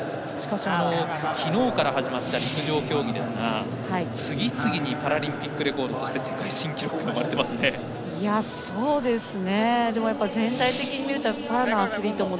昨日から始まった陸上競技ですが次々にパラリンピックレコードそして、世界新記録が生まれていますね。